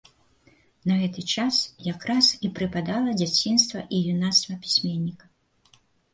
На гэты час якраз і прыпадала дзяцінства і юнацтва пісьменніка.